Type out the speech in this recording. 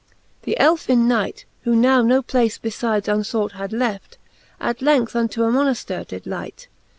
The Elfin Knight, Who now no place befides unfought had left, At length into a Monaftere did light.